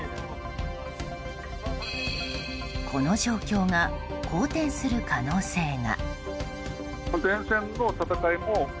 この状況が好転する可能性が。